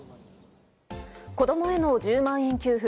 子供への１０万円給付